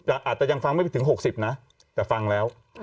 อาจจะยังฟังไม่ไปถึง๖๐นะแต่ฟังแล้ว